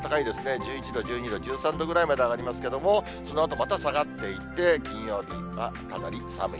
１１度、１２度、１３度ぐらいまで上がりますけれども、そのあとまた下がっていって、金曜日はかなり寒い。